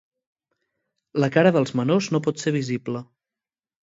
La cara dels menors no pot ser visible.